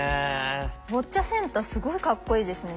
ボッチャセンターすごいかっこいいですね。